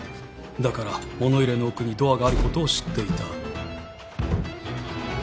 だから物入れの奥にドアがあることを知っていた。